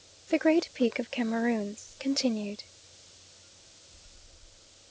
THE GREAT PEAK OF CAMEROONS (continued).